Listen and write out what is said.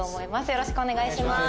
よろしくお願いします。